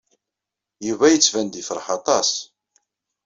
Yuba yettban-d yefṛeḥ aṭas.